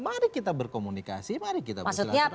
mari kita berkomunikasi mari kita bersilaturahmi